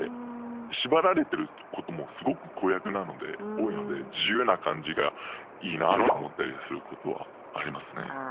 縛られてることもすごく子役なので多いので自由な感じがいいなと思ったりすることはありますね。